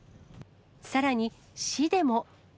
さらに、市でも。